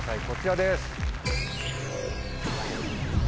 こちらです。